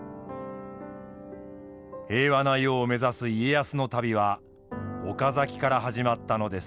平和な世を目指す家康の旅は岡崎から始まったのです。